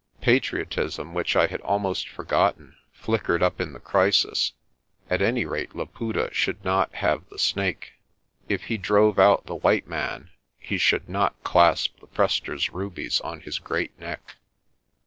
Patriotism, which I had almost for gotten, flickered up in the crisis. At any rate Laputa should not have the Snake. If he drove out the white man, he should not clasp the Prester's rubies on his great neck.